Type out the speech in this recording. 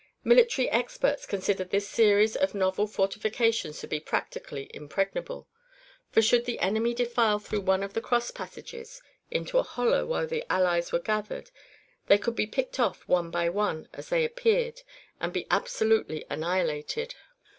Military experts considered this series of novel fortifications to be practically impregnable, for should the enemy defile through one of the cross passages into a hollow where the Allies were gathered, they could be picked off one by one, as they appeared, and be absolutely annihilated.